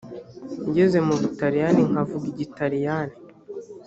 ngeze mu butaliyani nkavuga igitaliyani